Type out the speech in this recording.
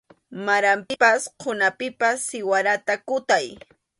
Maranpipas qhunapipas siwarata kutay.